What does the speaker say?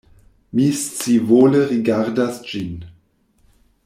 Mi scivole rigardas ĝin.